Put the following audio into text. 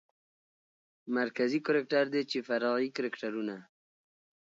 مرکزي کرکتر دى چې فرعي کرکترونه